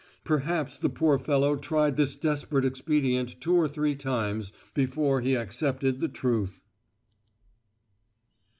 Perhaps the poor fellow tried this desperate expedient two or three times before he accepted the truth!"